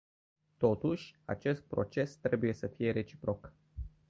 Totuși, acest proces trebuie să fie reciproc.